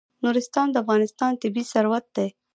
نورستان د افغانستان طبعي ثروت دی.